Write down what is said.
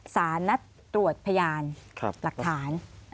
สารนัดตรวจพยานหลักฐาน